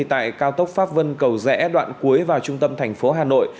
tại cao tốc pháp vân cầu rẽ đoạn cuối vào trung tâm thành phố hà nội